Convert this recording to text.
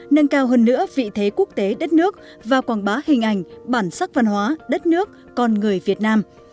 nâng cao hơn nữa vị thế quốc tế đất nước và quảng bá hình ảnh bản sắc văn hóa đất nước con người việt nam